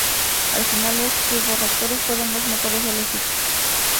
Al final los turborreactores fueron los motores elegidos.